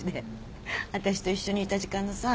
私と一緒にいた時間のさ